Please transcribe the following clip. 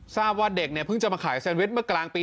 ทราบว่าเด็กเนี่ยเพิ่งจะมาขายแซนวิชเมื่อกลางปี